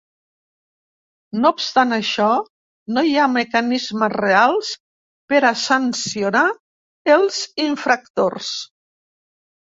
No obstant això, no hi ha mecanismes reals per a sancionar els infractors.